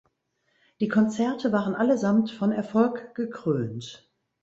Die Konzerte waren allesamt von Erfolg gekrönt.